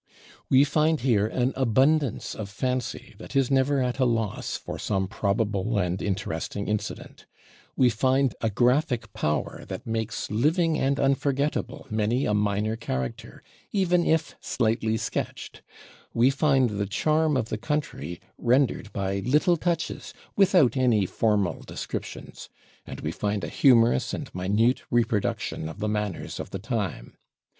We find here an abundance of fancy that is never at a loss for some probable and interesting incident; we find a graphic power that makes living and unforgettable many a minor character, even if slightly sketched; we find the charm of the country rendered by little touches without any formal descriptions; and we find a humorous and minute reproduction of the manners of the time.